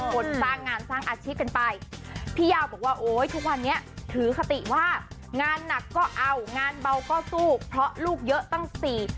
คนสร้างงานสร้างอาชีพกันไปพี่ยาวบอกว่าโอ้ยทุกวันนี้ถือคติว่างานหนักก็เอางานเบาก็สู้เพราะลูกเยอะตั้งสี่